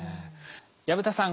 薮田さん